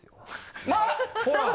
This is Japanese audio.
まあ。